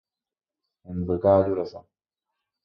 Hendy kavaju resa.